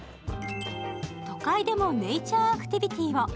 都会でもネイチャーアクティビティーを。